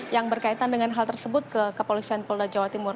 yang berkaitan dengan hal tersebut ke kepolisian polda jawa timur